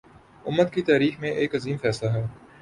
امت کی تاریخ میں ایک عظیم فیصلہ ہے